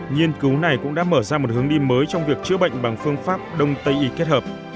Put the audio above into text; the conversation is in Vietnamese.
nghiên cứu này cũng đã mở ra một hướng đi mới trong việc chữa bệnh bằng phương pháp đông tây y kết hợp